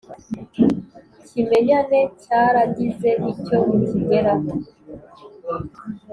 kimenyane cyaragize icyo kigeraho